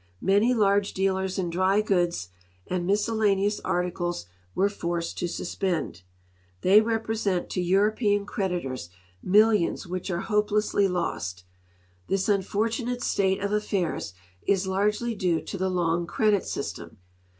Many large dealers in diu^ goods and miscel laneous articles were forced to suspend. They represent to European creditors millions which are hopelessly lost. This unfortunate state of affairs is largely due to the long credit system.